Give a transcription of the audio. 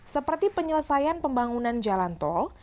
seperti penyelesaian pembangunan jalan tol